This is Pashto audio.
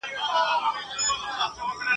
داسي ښکاري چي بېلېږي د ژوند لاره !.